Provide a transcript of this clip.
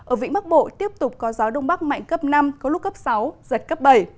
ở vĩnh bắc bộ tiếp tục có gió đông bắc mạnh cấp năm có lúc cấp sáu giật cấp bảy